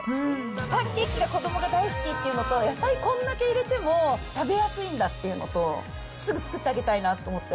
パンケーキが子どもが大好きっていうのと、野菜こんだけ入れても食べやすいんだというのと、すぐ作ってあげたいなと思って。